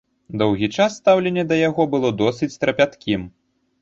Доўгі час стаўленне да яго было досыць трапяткім.